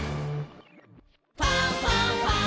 「ファンファンファン」